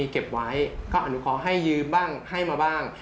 ก็อนุคอให้ยืมบ้างให้มาบ้าง